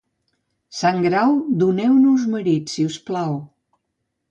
Sant Grau, doneu-nos marit, si us plau.